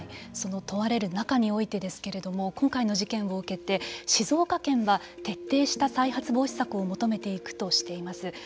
その問われる中においてですけれども今回の事件を受けて静岡県は徹底した再発防止策を求めていくとしています。